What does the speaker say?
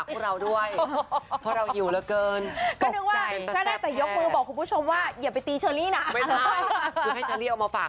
ชัยได้เลยนะคะเชอรี่บันเทิงไทยรัฐนะคะ